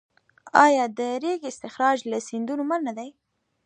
آیا د ریګ استخراج له سیندونو منع دی؟